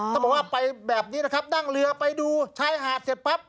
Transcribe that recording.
เขาบอกว่าไปแบบนี้นะครับนั่งเรือไปดูชายหาดเสร็จปั๊บ